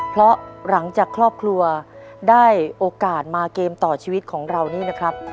เพราะหลังจากครอบครัวได้โอกาสมาเกมต่อชีวิตของเรานี่นะครับ